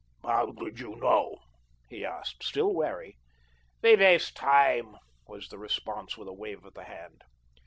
"How did you know?" he asked, still wary. "We waste time," was the response with a wave of the hand.